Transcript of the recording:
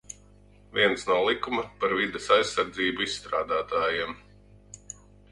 "Viens no likuma "Par vides aizsardzību" izstrādātājiem."